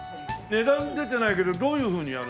値段出てないけどどういうふうにやるの？